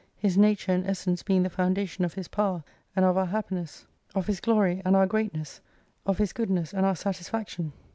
His nature and essence being the foundation of His power, and of our happiness : of 137 His glory and our greatness : of His goodness, and our satisfaction.